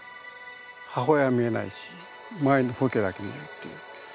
母親は見えないし周りの風景だけ見えるっていう。